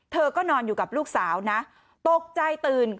เธอก็นอนอยู่กับลูกสาวนะตกใจตื่น